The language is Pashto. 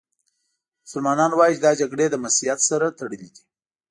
مسلمانان وايي چې دا جګړې له مسیحیت سره تړلې دي.